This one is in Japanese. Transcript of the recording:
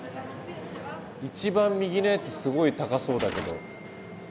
一番右のやつすごい高そうだけど。